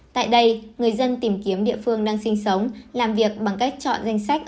tại đây người dân tìm kiếm địa phương đang sinh sống làm việc bằng cách chọn danh sách